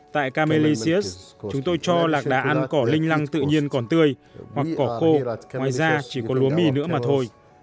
tại camelosius chúng tôi cho lạc đà ăn cỏ linh lăng tự nhiên còn tươi hoặc cỏ khô ngoài ra chỉ có lúa mì nữa mà thôi